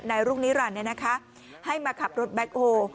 นายรุ่งนิรันดิ์เนี่ยนะคะให้มาขับรถแบคโฮ